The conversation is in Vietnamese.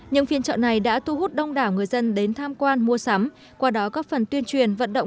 những phiên trợ này đã thu hút đông đảo người dân đến tham quan mua sắm qua đó các phần tuyên truyền vận động